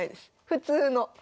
普通の。